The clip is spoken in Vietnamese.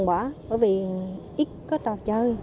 bởi vì ít có trò chơi